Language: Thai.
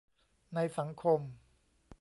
ในสังคม